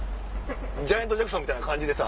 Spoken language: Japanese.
ジャネット・ジャクソンみたいな感じでさ。